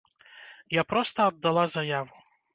Я проста аддала заяву.